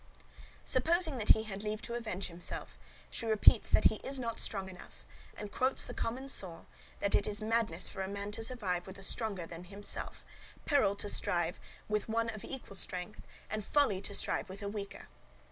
Supposing that he had leave to avenge himself, she repeats that he is not strong enough, and quotes the common saw, that it is madness for a man to strive with a stronger than himself, peril to strive with one of equal strength, and folly to strive with a weaker.